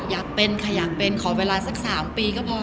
อยากเป็นค่ะอยากเป็นขอเวลาสัก๓ปีก็พอ